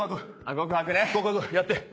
告白やって。